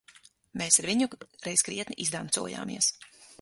Mēs ar viņu reiz krietni izdancojāmies.